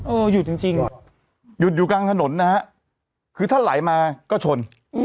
หยุดจริงหยุดอยู่กลางถนนนะฮะคือถ้าไหลมาก็ชน